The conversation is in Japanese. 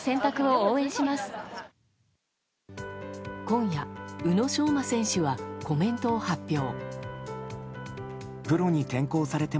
今夜、宇野昌磨選手はコメントを発表。